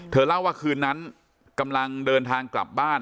เล่าว่าคืนนั้นกำลังเดินทางกลับบ้าน